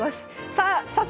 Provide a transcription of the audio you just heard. さあ早速。